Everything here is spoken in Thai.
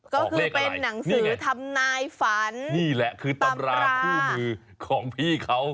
ก็คือเป็นหนังสือทำนายฝันนี่แหละคือตำราคู่มือของพี่เขา